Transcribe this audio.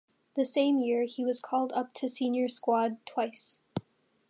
The same year he was called up to senior squad twice.